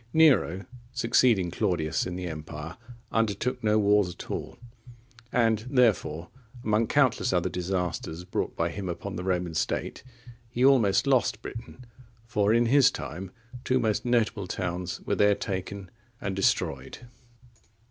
Nero, succeeding Claudius in the empire, undertook no wars at all; and, therefore, among countless other disasters brought by him upon the Roman state, he almost lost Britain; for in his time two most notable towns were there taken and destroyed.